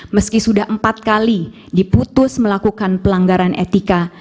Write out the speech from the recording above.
meski sudah empat kali diputus melakukan pelanggaran etika